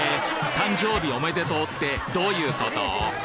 誕生日おめでとうってどういうこと？